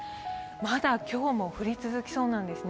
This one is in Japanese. まだ今日も降り続きそうなんですね。